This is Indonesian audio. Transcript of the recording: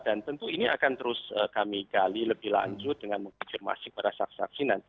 dan tentu ini akan terus kami gali lebih lanjut dengan mengkonfirmasi para saksi saksi nanti